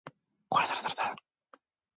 그렇지?